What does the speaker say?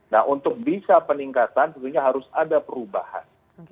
nah untuk bisa peningkatan tentunya harus ada perubahan